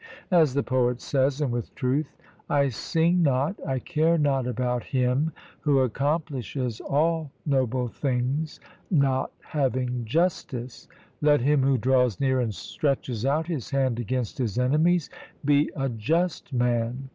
As the poet says, and with truth: I sing not, I care not about him who accomplishes all noble things, not having justice; let him who 'draws near and stretches out his hand against his enemies be a just man.'